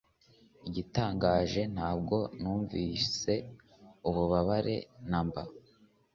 Igitangaje cyane, ntabwo numvise ububabare namba.